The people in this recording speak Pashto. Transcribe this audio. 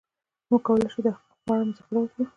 موږ کولای شو د حقوقو په اړه مذاکره وکړو.